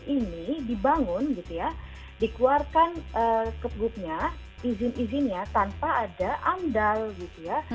ini dibangun gitu ya dikeluarkan kepgupnya izin izinnya tanpa ada amdal gitu ya